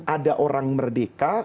ada orang merdeka